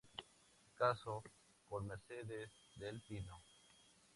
Casó con Mercedes del Pino.